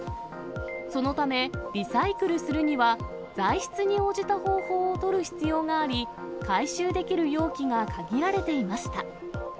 そのため、リサイクルするには材質に応じた方法を取る必要があり、回収できる容器が限られていました。